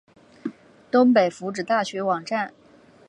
东北福祉大学网站